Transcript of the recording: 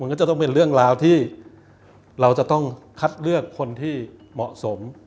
ก็จะต้องเป็นเรื่องราวที่เราจะต้องคัดเลือกคนที่เหมาะสม